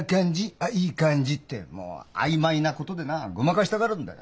あっいい感じ」ってもう曖昧なことでなごまかしたがるんだよ。